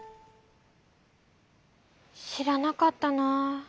しらなかったな。